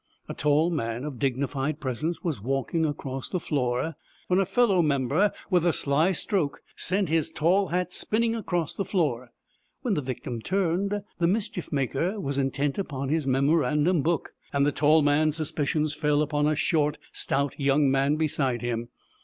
A tall man of dignified presence was walking across the floor, when a fellow member with a sly stroke sent his tall hat spinning across the floor. When the victim turned the mischief maker was intent upon his memorandum book, and the tall man's suspicions fell upon a short, stout young man beside him.